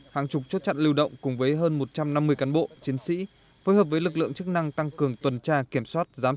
hàng chục chốt trận lưu động cùng với hơn một trăm năm mươi cán bộ chiến sĩ